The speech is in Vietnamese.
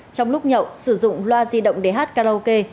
trong lúc nhậu sử dụng loa di động để hát karaoke